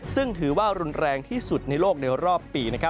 ซึ่งถือว่ารุนแรงที่สุดในโลกในรอบปี